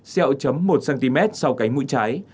xeo chấm một cm sau cánh mũi trái